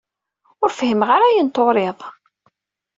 Ur fhimeɣ ara ayen d-turiḍ.